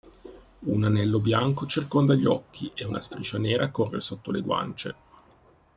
Un anello bianco circonda gli occhi e una striscia nera corre sotto le guance.